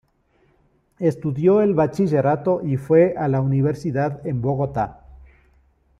Estudió el bachillerato y fue a la universidad en Bogotá.